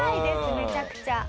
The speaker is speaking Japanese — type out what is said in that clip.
めちゃくちゃ。